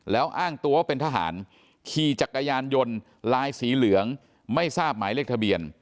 แล้วอ้างตัวว่าเป็นทหารขี่จักรยานยนต์ลายสีเหลืองไม่ทราบหมายเลขทะเบียน